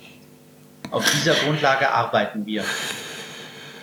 Auf dieser Grundlage arbeiten wir.